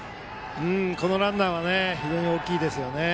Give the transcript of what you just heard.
このランナーは非常に大きいですよね。